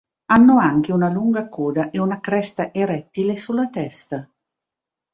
Hanno anche una lunga coda e una cresta erettile sulla testa.